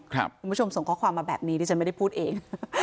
คุณผู้ชมส่งข้อความมาแบบนี้ดิฉันไม่ได้พูดเอง